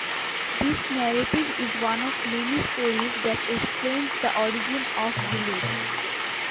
This narrative is one of many stories that explains the origin of Gelebe.